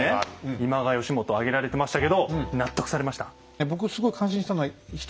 今川義元挙げられてましたけど納得されました？